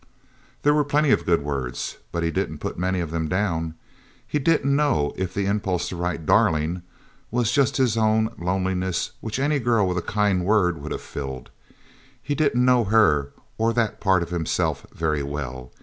There were plenty of good words, but he didn't put many of them down. He didn't know if the impulse to write Darling, was just his own loneliness, which any girl with a kind word would have filled. He didn't know her, or that part of himself, very well.